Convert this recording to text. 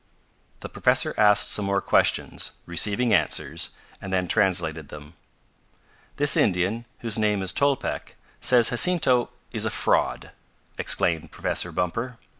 The professor asked some more questions, receiving answers, and then translated them. "This Indian, whose name is Tolpec, says Jacinto is a fraud," exclaimed Professor Bumper.